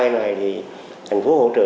này thì thành phố hỗ trợ